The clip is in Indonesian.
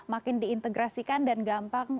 makin diintegrasikan dan gampang